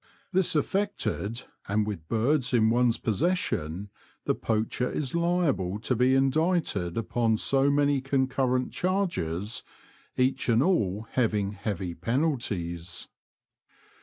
This affected, and with birds in one's possession, the poacher is liable to be indicted upon so many concurrent charges, each and all having heavy penalties.